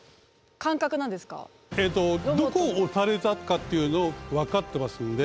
えっとどこを押されたかっていうのを分かってますんで。